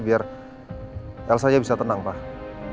biar elsa nya bisa tenang pak